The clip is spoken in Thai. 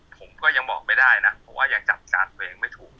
ผมก็ยังบอกไม่ได้นะเพราะว่ายังจับจานตัวเองไม่ถูก